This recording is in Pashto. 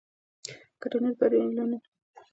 که ټولنیز بندیزونه لرې شي نو نجونې به لا ډېرې بریالۍ شي.